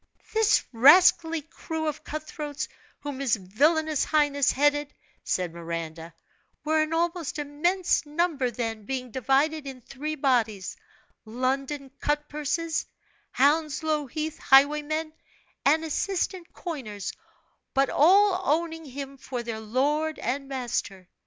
"This rascally crew of cut throats, whom his villainous highness headed," said Miranda, "were an almost immense number then, being divided in three bodies London cut purses, Hounslow Heath highwaymen, and assistant coiners, but all owning him for their lord and master.